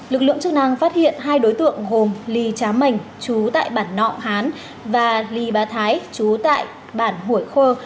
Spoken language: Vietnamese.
lực lượng chức năng phát hiện hai đối tượng gồm lì trá mảnh chú tại bản nọ hán và lì bà thái chú tại bản hủy khơ